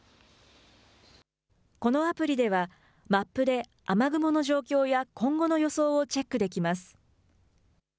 このアプリではマップで雨雲の状況や今後の予想をチェックできます。